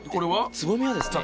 つぼみはですね